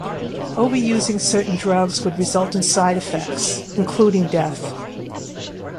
Overusing certain drugs would result in side-effects, including death.